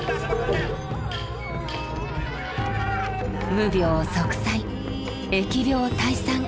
無病息災疫病退散！